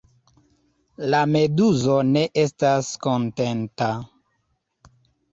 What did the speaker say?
La meduzo ne estas kontenta.